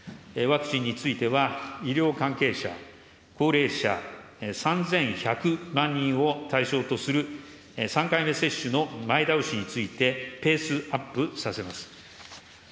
ワクチンについては医療関係者、高齢者３１００万人を対象とする３回目接種の前倒しについてペースアップさせます。